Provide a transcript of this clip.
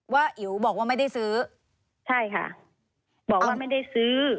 อิ๋วบอกว่าไม่ได้ซื้อใช่ค่ะบอกว่าไม่ได้ซื้อ